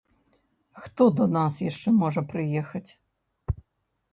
Хто да нас яшчэ можа прыехаць?